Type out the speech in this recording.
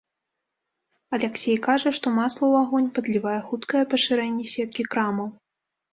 Аляксей кажа, што масла ў агонь падлівае хуткае пашырэнне сеткі крамаў.